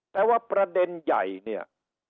แต่ว่าประเด็นใหญ่